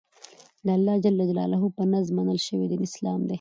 دالله ج په نزد منل شوى دين اسلام دى.